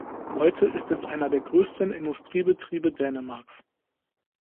Heute ist es einer der größten Industriebetriebe Dänemarks.